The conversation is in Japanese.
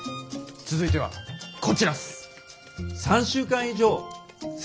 続いてはこちらっす！